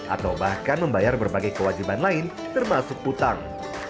atau bahkan membayar berbagai kewajiban lain termasuk utang